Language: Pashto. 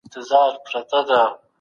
ما ستا په پښتو ليکنه کي یو سمون راوستی.